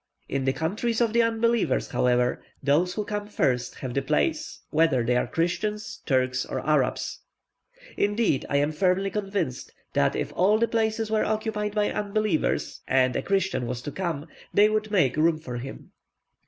In the countries of the unbelievers, however, those who come first have the place, whether they are Christians, Turks, or Arabs; indeed, I am firmly convinced, that if all the places were occupied by unbelievers, and a Christian was to come, they would make room for him.